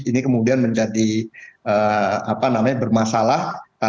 ini kemudian menjadi bermasalah